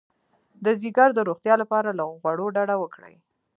د ځیګر د روغتیا لپاره له غوړو ډډه وکړئ